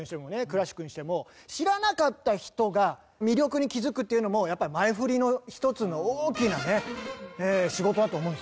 クラシックにしても知らなかった人が魅力に気づくっていうのもやっぱり前フリの一つの大きなね仕事だと思うんですよ。